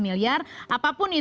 walaupun jumlahnya satu triliunan